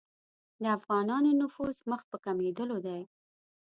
د افغانانو نفوذ مخ په کمېدلو دی.